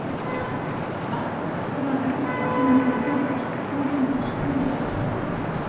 Marta Estrada va ser una pintora i escultora nascuda a Barcelona.